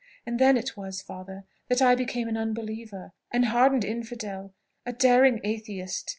And then it was, father, that I became an unbeliever! an hardened infidel! a daring atheist!